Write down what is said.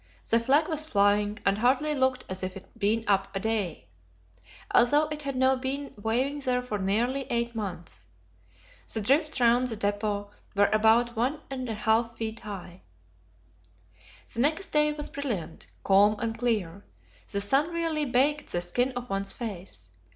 The flag was flying, and hardly looked as if it had been up a day, although it had now been waving there for nearly eight months. The drifts round the depot were about 1 1/2 feet high. The next day was brilliant calm and clear. The sun really baked the skin of one's face.